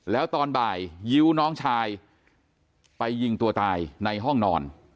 แล้วตอนบ่ายยิ้วน้องชายไปยิงตัวตายในห้องนอน